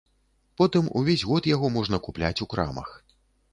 Потым увесь год яго можна купляць у крамах.